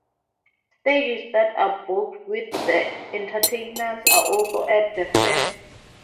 Stages that are booked with entertainers are also at the fair.